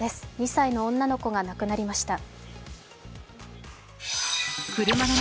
２歳の女の子が亡くなりました。